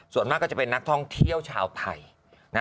ส่วนมากก็จะเป็นนักท่องเที่ยวชาวไทย